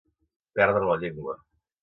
Perdre la llengua.